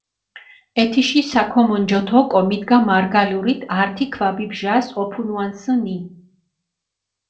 ეთიში საქომონჯოთ ოკო, მიდგა მარგალურით ართი ქვაბი ბჟას ოფუნუანსჷნი.